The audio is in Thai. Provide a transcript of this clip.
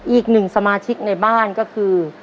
อีก๑สมาชิกในบ้านก็คือ